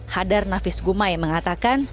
hadar nafis gumai mengatakan